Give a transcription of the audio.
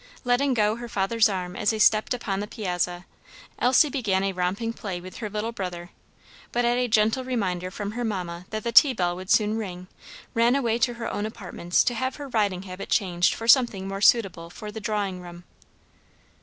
Letting go her father's arm as they stepped upon the piazza Elsie began a romping play with her little brother, but at a gentle reminder from her mamma that the tea bell would soon ring, ran away to her own apartments to have her riding habit changed for something more suitable for the drawing room.